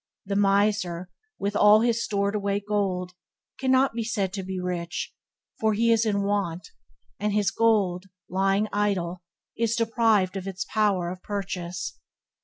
The miser, with all his stored away gold, cannot be said to be rich, for he is in want, and his gold, lying idle, is deprived of its power of purchase.